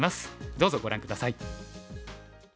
どうぞご覧下さい。